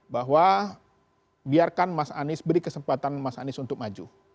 bahwa biarkan mas anies beri kesempatan mas anies untuk maju